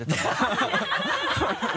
ハハハ